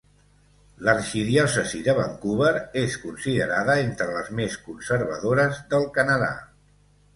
L'arxidiòcesi de Vancouver és considerada entre les més conservadores del Canadà.